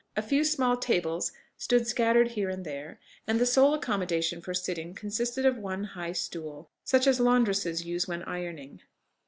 A few small tables stood scattered here and there; and the sole accommodation for sitting consisted of one high stool, such as laundresses use when ironing.